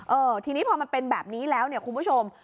เออทีนี้พอมันเป็นแบบนี้แล้วเนี่ยคุณผู้ชม